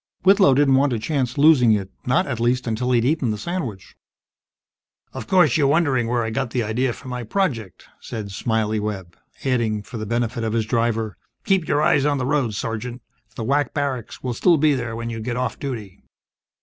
Whitlow didn't want to chance losing it. Not, at least, until he'd eaten the sandwich. "Of course, you're wondering where I got the idea for my project," said "Smiley" Webb, adding, for the benefit of his driver, "Keep your eyes on the road, Sergeant! The WAC barracks will still be there when you get off duty!"